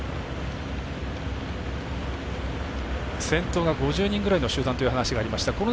先頭が５０人ぐらいの集団という話がありました。